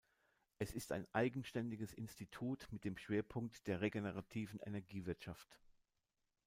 Es ist ein eigenständiges Institut mit dem Schwerpunkt der regenerativen Energiewirtschaft.